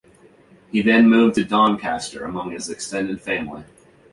He then moved to Doncaster among his extended family.